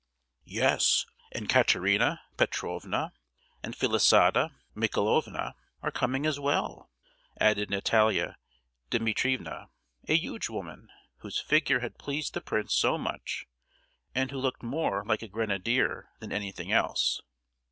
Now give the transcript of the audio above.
"Yes, and Katerina Petrovna, and Felisata Michaelovna are coming as well," added Natalia Dimitrievna, a huge woman—whose figure had pleased the prince so much, and who looked more like a grenadier than anything else.